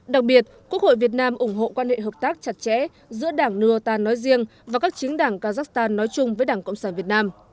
đặc biệt quốc hội việt nam ủng hộ quan hệ hợp tác chặt chẽ giữa đảng nưutan nói riêng và các chính đảng kazakhstan nói chung với đảng cộng sản việt nam